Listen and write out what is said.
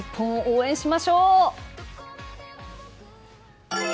日本を応援しましょう。